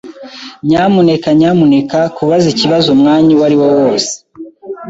Nyamuneka nyamuneka kubaza ikibazo umwanya uwariwo wose.